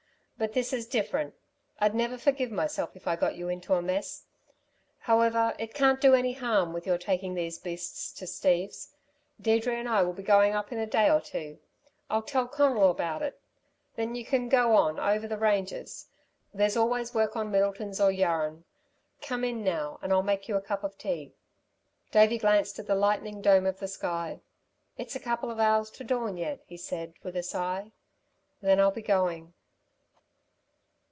"But this is different! I'd never forgive myself if I got you into a mess. However, it can't do any harm your taking these beasts to Steve's. Deirdre and I'll be going up in a day or two. I'll tell Conal about it. Then you can go on over the ranges. There's always work on Middleton's or Yaraan. Come in now and I'll make you a cup of tea." Davey glanced at the lightening dome of the sky. "It's a couple of hours to dawn yet," he said, with a sigh. "Then I'll be going."